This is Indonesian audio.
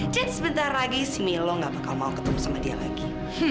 jadi sebentar lagi si milo gak bakal mau ketemu sama dia lagi